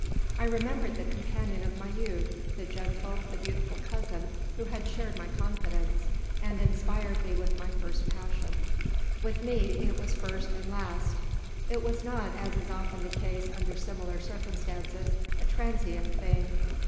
"I remembered the companion of my youth, the gentle, the beautiful cousin who had shared my confidence, and inspired me with my first passion. With me it was first and last; it was not, as is often the case under similar circumstances, a transient thing.